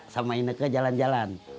sama ineke jalan jalan